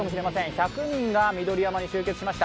１００人が緑山に集結しました。